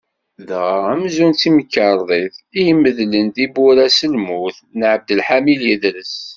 Dɣa amzun d timkerḍit i imedlen tiwura-s s lmut n Ɛebdelḥafiḍ Idres.